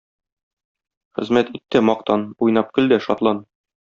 Хезмәт ит тә мактан, уйнап көл дә шатлан!